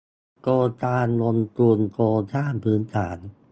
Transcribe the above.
โครงการลงทุนโครงสร้างพื้นฐาน